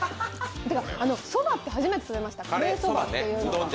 そばって初めて食べましたカレーそばっていうのを。